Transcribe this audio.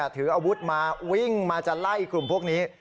ถืออาวุธมาวิ่งมาจะไล่กลุ่มพวกนี้